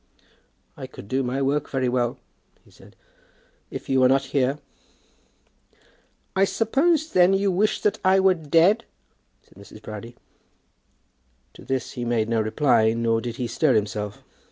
"I could do my work very well," he said, "if you were not here." "I suppose, then, you wish that I were dead?" said Mrs. Proudie. To this he made no reply, nor did he stir himself.